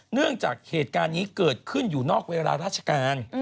เนื่องจากเหตุการณ์นี้เกิดขึ้นอยู่นอกเวลาราชการ